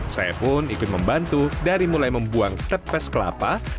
saya pun ikut membantu dari mulai membuang tepes kelapa